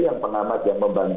yang pengamat yang membantu